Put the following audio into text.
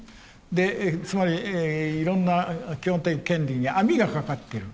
つまりいろんな基本的権利に網が掛かってる。